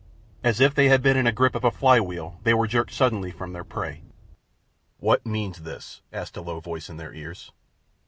As if they had been in the grip of a fly wheel, they were jerked suddenly from their prey. "What means this?" asked a low voice in their ears.